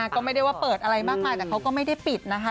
ก็ไม่ได้ว่าเปิดอะไรมากมายแต่เขาก็ไม่ได้ปิดนะคะ